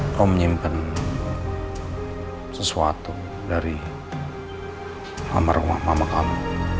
kamu menyimpan sesuatu dari kamar rumah mama kamu